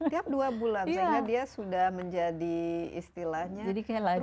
tiap dua bulan sehingga dia sudah menjadi istilahnya